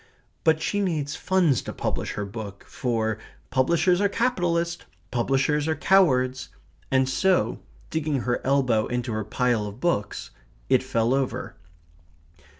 But she needs funds to publish her book, for "publishers are capitalists publishers are cowards." And so, digging her elbow into her pile of books it fell over.